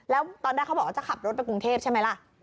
แล้วตอนแรกเขาบอกว่าจะขับรถไปกรุงเทพใช่ไหมล่ะ